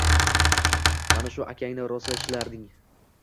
Mana shu akangni rosa shilarding!